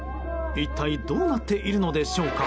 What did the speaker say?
一体どうなっているのでしょうか。